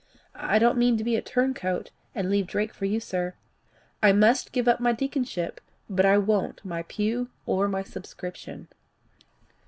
I don't mean to be a turncoat, and leave Drake for you, sir; I must give up my deaconship, but I won't my pew or my subscription."